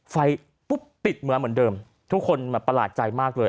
ไฟปุ๊บติดเหมือนเดิมทุกคนประหลาดใจมากเลย